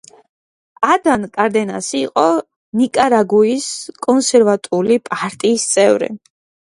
ადან კარდენასი იყო ნიკარაგუის კონსერვატული პარტიის წევრი.